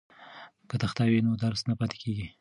که تخته وي نو درس نه پاتې کیږي.